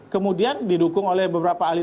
kemudian didukung oleh beberapa ahli